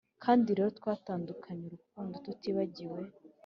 kandi rero twatandukanye, urukundo, tutibagiwe